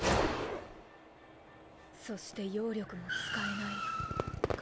そして妖力も使えないか。